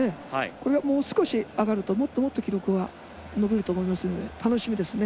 これがもう少し上がるともっともっと記録は伸びると思いますので楽しみですね。